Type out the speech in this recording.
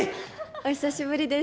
お久しぶりです。